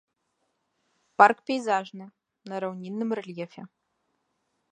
Парк пейзажны, на раўнінным рэльефе.